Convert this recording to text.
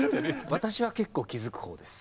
私は結構気づくほうです。